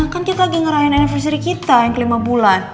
kan kita lagi ngerain anniversary kita yang kelima bulan